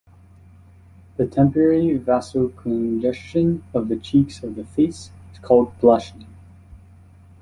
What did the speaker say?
The temporary vasocongestion of the cheeks of the face is called blushing.